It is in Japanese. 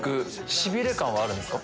しびれ感はあるんですか？